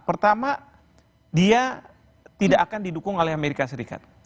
pertama dia tidak akan didukung oleh amerika serikat